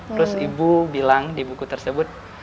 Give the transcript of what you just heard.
terus ibu bilang di buku tersebut